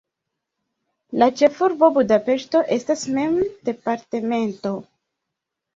La ĉefurbo Budapeŝto estas mem departemento.